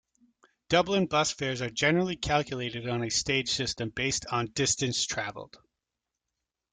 Dublin Bus fares are generally calculated on a stage system based on distance travelled.